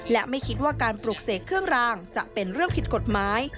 และไม่คิดว่าการปลูกเสกเครื่องรางจะเป็นเรื่องผิดกฎหมาย